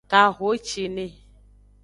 Kahocine.